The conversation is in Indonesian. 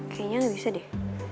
kayaknya gak bisa deh